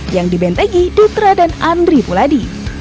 yang dibentegi dutra dan andri puladi